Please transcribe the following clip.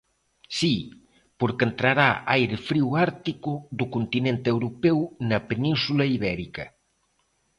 Si, porque entrará aire frío ártico do continente europeo na Península Ibérica.